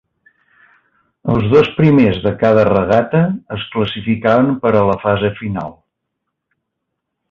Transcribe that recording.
Els dos primers de cada regata es classificaven per a la fase final.